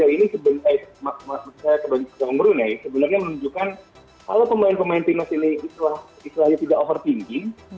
hal ini sebenarnya menunjukkan kalau pemain pemain tim ini tidak overthinking